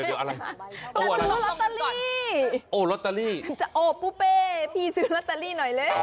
ต้องซื้อลอตเตอรี่โอ้ลอตเตอรี่พี่ซื้อลอตเตอรี่หน่อยเลย